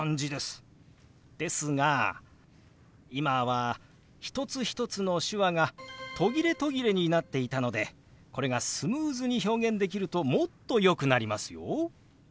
ですが今は一つ一つの手話が途切れ途切れになっていたのでこれがスムーズに表現できるともっとよくなりますよ。